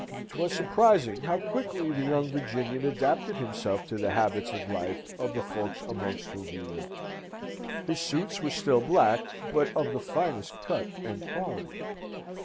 'Twas surprising how quickly the young Virginian adapted himself to the habits of life of the folks amongst whom he lived. His suits were still black, but of the finest cut and quality.